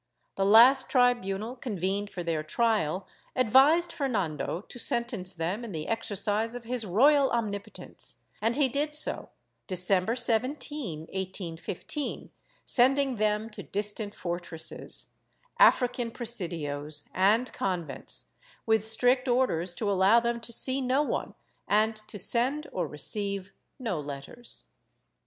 The last tribunal convened for their trial advised Fernando to sentence them in the exercise of his royal omnipotence, and he did so, December 17, 1815, sending them to distant fortresses, African presidios and convents, with strict orders to allow them to see no one and to send or receive no letters.